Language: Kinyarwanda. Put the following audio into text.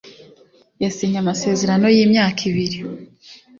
yasinye amasezerano y’imyaka ibiri